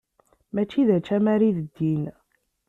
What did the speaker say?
Mačči d ačamar i d ddin.